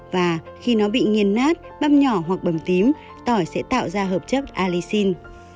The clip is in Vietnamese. và khi nó bị nghiên nát băm nhỏ hoặc bầm tím tỏi sẽ tạo ra hợp chất allicin